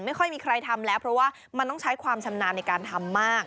ไม่ค่อยมีใครทำแล้วเพราะว่ามันต้องใช้ความชำนาญในการทำมาก